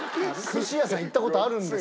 寿司屋さん行った事あるんですよ。